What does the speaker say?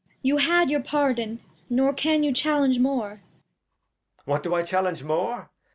Cord. You had your Pardon, nor can you challenge more. Edg. What do I challenge more